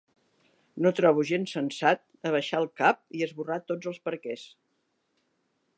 No trobo gens sensat abaixar el cap i esborrar tots els perquès.